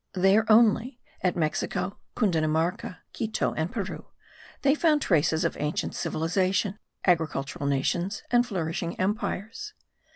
There only, at Mexico, Cundinamarca, Quito and Peru, they found traces of ancient civilization, agricultural nations and flourishing empires.